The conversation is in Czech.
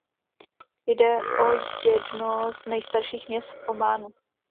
Jde o jedno z nejstarších měst v Ománu.